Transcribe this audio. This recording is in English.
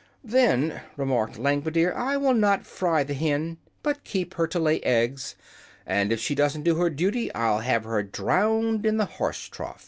"Then," remarked Langwidere, "I will not fry the hen, but keep her to lay eggs; and if she doesn't do her duty I'll have her drowned in the horse trough."